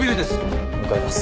向かいます。